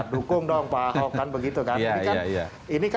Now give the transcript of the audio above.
dukung dong pak hockan begitu kan